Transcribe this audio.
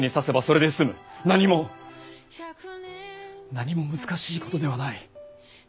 何も何も難しいことではない。